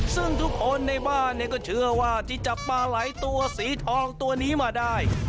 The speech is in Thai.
ซึ่งทุกคนในบ้านก็เชื่อว่าที่จับปลาไหลตัวสีทองตัวนี้มาได้